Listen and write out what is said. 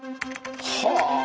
はあ！